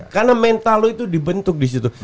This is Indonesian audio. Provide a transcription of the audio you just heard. karena mental lo itu dibentuk di situ